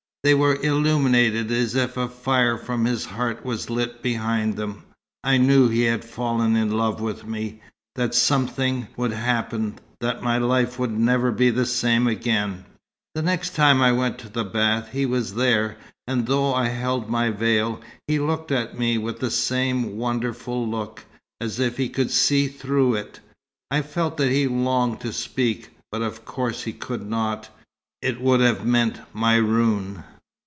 They were illuminated as if a fire from his heart was lit behind them. I knew he had fallen in love with me that something would happen: that my life would never be the same again. "The next time I went to the bath, he was there; and though I held my veil, he looked at me with the same wonderful look, as if he could see through it. I felt that he longed to speak, but of course he could not. It would have meant my ruin.